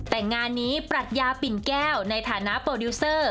แต่งานนี้ปรัชญาปิ่นแก้วในฐานะโปรดิวเซอร์